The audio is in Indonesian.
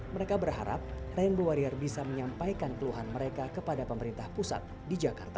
mereka berharap rainbow warrior bisa menyampaikan keluhan mereka kepada pemerintah pusat di jakarta